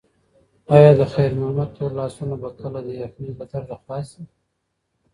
ایا د خیر محمد تور لاسونه به کله د یخنۍ له درده خلاص شي؟